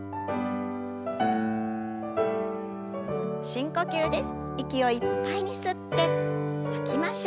深呼吸です。